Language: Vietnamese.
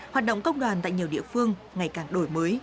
hoạt động công đoàn tại nhiều địa phương ngày càng đổi mới